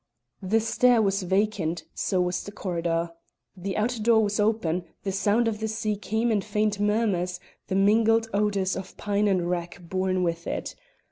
The stair was vacant, so was the corridor. The outer door was open; the sound of the sea came in faint murmurs, the mingled odours of pine and wrack borne with it.